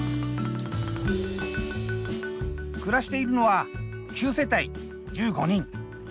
暮らしているのは９世帯１５人。